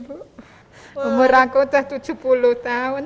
umur aku sudah tujuh puluh tahun